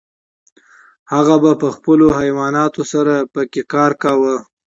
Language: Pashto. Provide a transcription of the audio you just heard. هغه به په خپلو حیواناتو سره پکې کار کاوه.